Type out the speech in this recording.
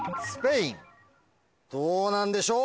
どうなんでしょう！